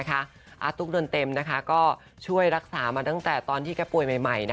อาตุ๊กเดือนเต็มก็ช่วยรักษามาตั้งแต่ตอนที่แกป่วยใหม่